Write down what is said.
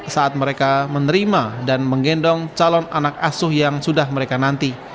saat mereka menerima dan menggendong calon anak asuh yang sudah mereka nanti